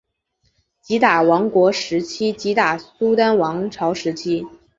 吉打王国时期吉打苏丹王朝时期